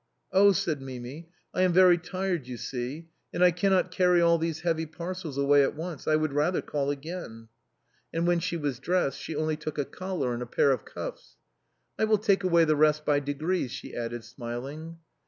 " Oh !" said Mimi, " I am very tired, you see, and I cannot carry all these heavy parcels away at once. I would rather call again." And when she was dressed she only took a collar and a pair of cuffs. " I will take away the rest by degrees," she added, smiling.